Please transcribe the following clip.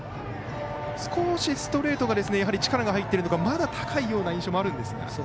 少しストレートがやはり力が入っているのかまだ高いような印象もあるんですが。